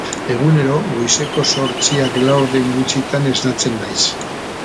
Egunero goizeko zortziak laurden gutxitan esnatzen naiz.